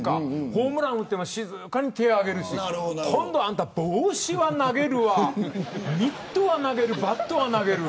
ホームランを打っても静かに手を挙げるし帽子を投げる、ミットを投げるバットは投げる。